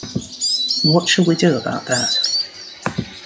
What shall we do about that?